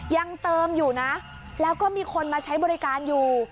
ยังเติมอยู่นะแล้วก็มีคนมาใช้บริการอยู่